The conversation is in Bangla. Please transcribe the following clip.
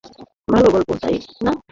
ভালো গল্প, তাই না?